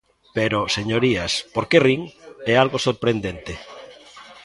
Pero, señorías, ¿por que rin? É algo sorprendente.